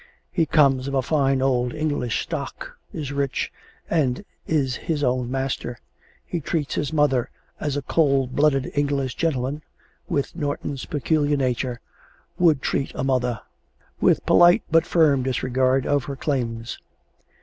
He comes of a fine old English stock, is rich, and is his own master. He treats his mother as a cold blooded English gentleman, with Norton's peculiar nature, would treat a mother with polite but firm disregard of her claims.